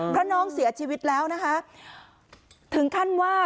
เพราะน้องเสียชีวิตแล้วนะคะถึงขั้นว่า